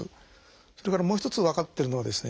それからもう一つ分かってるのはですね